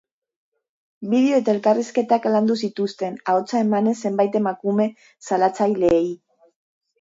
Bideo eta elkarrizketak landu zituzten, ahotsa emanez zenbait emakume salatzaileei.